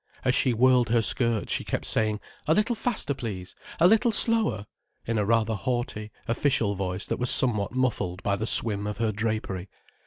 As she whirled her skirts she kept saying: "A little faster, please"—"A little slower"—in a rather haughty, official voice that was somewhat muffled by the swim of her drapery.